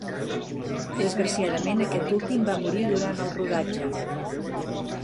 Desgraciadament, aquest últim va morir durant el rodatge.